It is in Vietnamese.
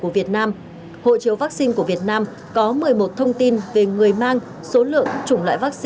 với các quốc gia